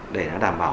để nó đảm bảo